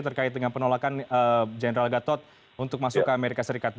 terkait dengan penolakan general gatot untuk masuk ke amerika serikat